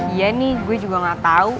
iya nih gue juga gak tahu